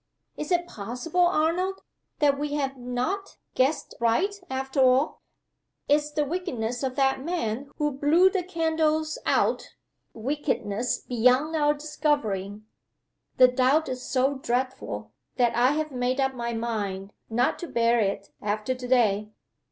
"Is it possible, Arnold, that we have not guessed right, after all? Is the wickedness of that man who blew the candles out wickedness beyond our discovering? The doubt is so dreadful that I have made up my mind not to bear it after to day.